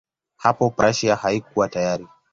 Hapo Prussia haikuwa tayari.